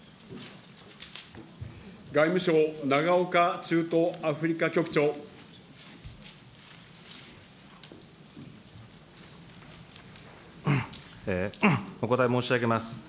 外務省、お答え申し上げます。